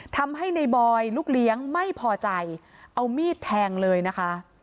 ทำให้ในบอยลูกเลี้ยงไม่พอใจเอามีดแทงเลยนะคะ